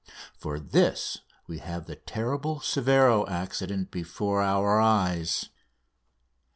For this we have the terrible Severo accident before our eyes.